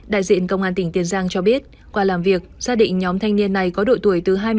đại diện công an tỉnh tiền giang cho biết qua làm việc xác định nhóm thanh niên này có độ tuổi